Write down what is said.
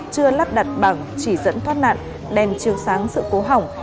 chưa lắp đặt bảng chỉ dẫn thoát nạn đèn chiều sáng sự cố hỏng